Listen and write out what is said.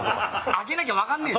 開けなきゃ分かんねえ。